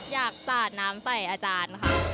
สาดน้ำใส่อาจารย์ค่ะ